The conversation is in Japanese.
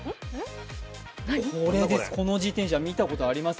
この自転車、見たことあります？